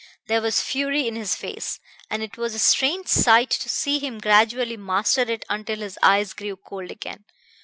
There was fury in his face, and it was a strange sight to see him gradually master it until his eyes grew cold again.